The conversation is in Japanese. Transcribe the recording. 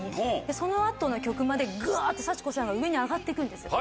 その後の曲間でぐわって幸子さんが上に上がって行くんです。